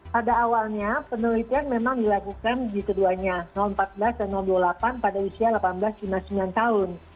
pada awalnya penelitian memang dilakukan di keduanya empat belas dan dua puluh delapan pada usia delapan belas lima puluh sembilan tahun